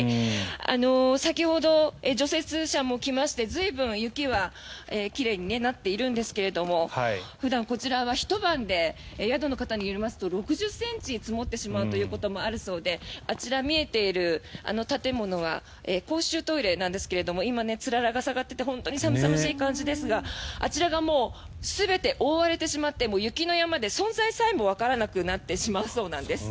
先ほど、除雪車も来まして随分、雪は奇麗になっているんですけども普段、こちらはひと晩で宿の方によりますと６０ｃｍ積もってしまうこともあるそうであちら、見えているあの建物は公衆トイレなんですが今、つららが下がっていて本当に寒々しい感じですがあちらがもう全て覆われてしまって雪の山で存在さえもわからなくなってしまうそうなんです。